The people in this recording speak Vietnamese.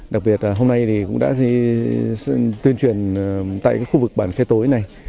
đặc biệt hôm nay cũng đã tuyên truyền tại khu vực bàn khai tối này